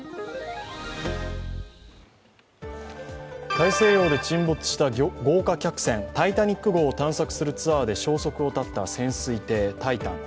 大西洋で沈没した豪華客船「タイタニック」号を探索するツアーで消息を絶った潜水艇「タイタン」。